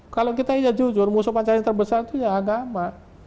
kalau kita iya jujur musuh pancasila yang terbesar itu ya agama